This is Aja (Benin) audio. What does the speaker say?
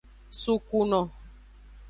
Sukuno.